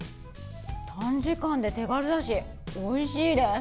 短時間で手軽だしおいしいです。